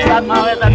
selamat malam ji